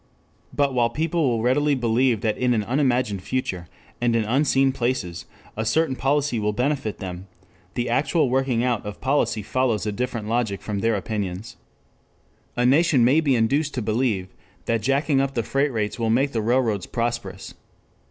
But while people will readily believe that in an unimagined future and in unseen places a certain policy will benefit them, the actual working out of policy follows a different logic from their opinions. A nation may be induced to believe that jacking up the freight rates will make the railroads prosperous.